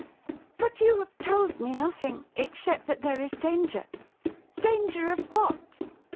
' But you have told me nothing, except that there is danger. Danger of what